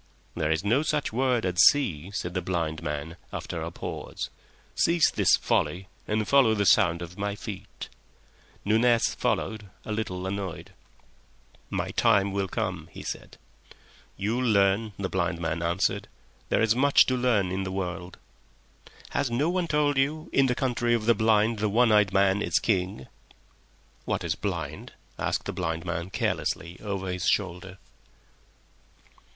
"There is no such word as see," said the blind man, after a pause. "Cease this folly and follow the sound of my feet." Nunez followed, a little annoyed. "My time will come," he said. "You'll learn," the blind man answered. "There is much to learn in the world." "Has no one told you, 'In the Country of the Blind the One Eyed Man is King?'" "What is blind?" asked the blind man, carelessly, over his shoulder.